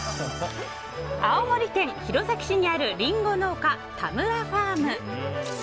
青森県弘前市にあるりんご農家タムラファーム。